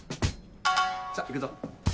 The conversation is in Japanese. さっ行くぞ。